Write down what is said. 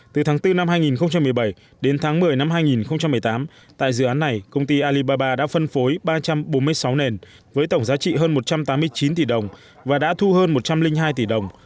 từ tháng bốn năm hai nghìn một mươi bảy đến tháng một mươi năm hai nghìn một mươi tám tại dự án này công ty alibaba đã phân phối ba trăm bốn mươi sáu nền với tổng giá trị hơn một trăm tám mươi chín tỷ đồng và đã thu hơn một trăm linh hai tỷ đồng